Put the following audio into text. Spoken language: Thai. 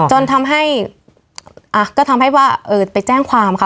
จนทำให้ก็ทำให้ว่าไปแจ้งความค่ะ